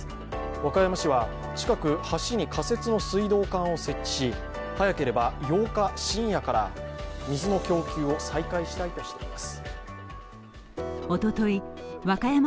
和歌山市は近く、橋に仮設の水道管を設置し早ければ８日深夜から水の供給を再開したいとしています。